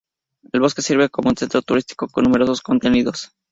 El bosque sirve como un centro turístico con numerosos contenidos.